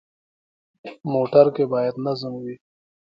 موټر کې باید نظم وي.